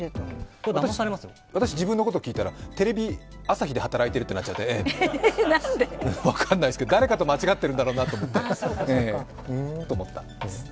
私、自分のことを聞いたらテレビ朝日で働いてるってなっちゃって誰かと間違ってるんだろうなと思って、うーん？と思った。